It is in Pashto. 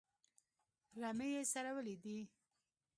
رمې یې څرولې دي.